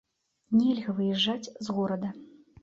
Нельга выязджаць з горада.